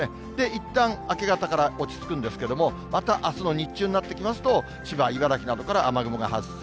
いったん明け方から落ち着くんですけれども、またあすの日中になってきますと、千葉、茨城などから雨雲が発生。